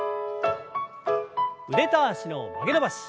腕と脚の曲げ伸ばし。